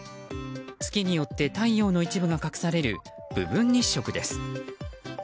月によって、太陽の一部が隠される部分日食です。